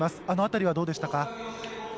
あの辺りはどうでしたか。